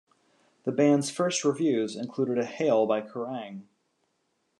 The band's first reviews included a hail by Kerrang!